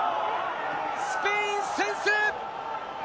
スペイン、先制。